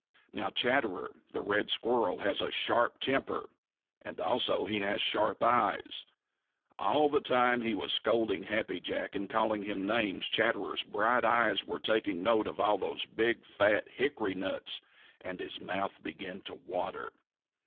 Now Chatterer the Red Squirrel has a sharp temper, and also he has sharp eyes. All the time he was scolding Happy Jack and calling him names Chatterer's bright eyes were taking note of all those big, fat hickory nuts and his mouth began to water.